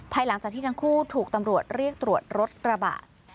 หลังจากที่ทั้งคู่ถูกตำรวจเรียกตรวจรถกระบะ